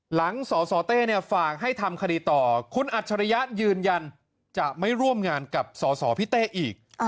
สสเต้ฝากให้ทำคดีต่อคุณอัจฉริยะยืนยันจะไม่ร่วมงานกับสสพี่เต้อีก